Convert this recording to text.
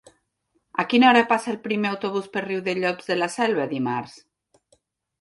A quina hora passa el primer autobús per Riudellots de la Selva dimarts?